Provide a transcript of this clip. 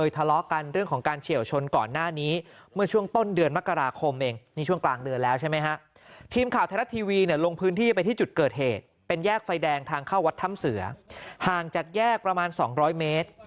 ทางเข้าวัดธรรมเสือห่างจากแยกประมาณ๒๐๐เมตร